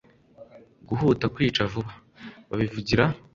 guhuta kwica vuba. babivugira